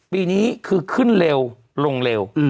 ปีนี้คือขึ้นเร็วลงเร็ว